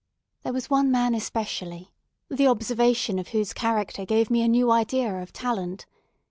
There was one man, especially, the observation of whose character gave me a new idea of talent.